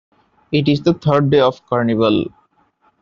It is the third day of Carnival.